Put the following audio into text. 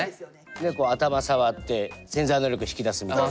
頭触って潜在能力引き出すみたいな。